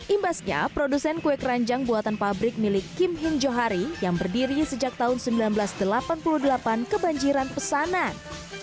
imbasnya produsen kue keranjang buatan pabrik milik kim hin johari yang berdiri sejak tahun seribu sembilan ratus delapan puluh delapan kebanjiran pesanan